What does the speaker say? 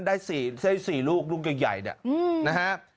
ได้๔ลูกลูกใหญ่นะฮะ